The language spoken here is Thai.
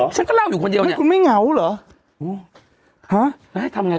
ฉันก็เล่าอยู่คนเดียวเนี่ยไม่คุณไม่เหงาหรอฮะทำยังไง